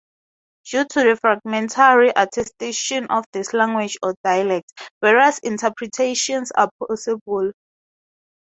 Due to the fragmentary attestation of this language or dialect, various interpretations are possible.